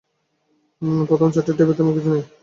প্রথম চারটি টেপে তেমন কিছু নেই।